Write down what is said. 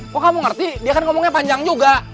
kok kamu ngerti dia kan ngomongnya panjang juga